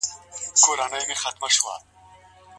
د مېرمني د کار لپاره نور کوم شرطونه اړين دي؟